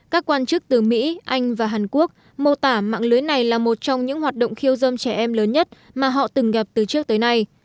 các quan chức từ mỹ anh và hàn quốc mô tả mạng lưới này là một trong những hoạt động khiêu dâm trẻ em lớn nhất mà họ từng gặp từ trước tới nay